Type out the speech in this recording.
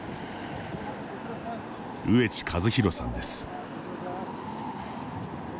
上地和浩さんです。